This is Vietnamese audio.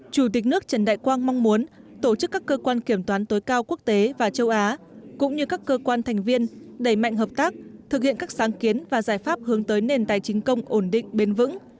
chủ tịch nước trần đại quang mong muốn tổ chức các cơ quan kiểm toán tối cao quốc tế và châu á cũng như các cơ quan thành viên đẩy mạnh hợp tác thực hiện các sáng kiến và giải pháp hướng tới nền tài chính công ổn định bền vững